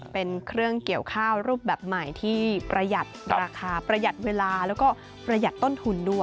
เป็นเครื่องเกี่ยวข้าวรูปแบบใหม่ที่ประหยัดราคาประหยัดเวลาแล้วก็ประหยัดต้นทุนด้วย